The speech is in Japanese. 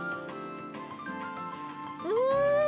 うん！